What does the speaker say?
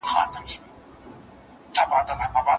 يارانو مخ ورځني پټ کړئ گناه کاره به سئ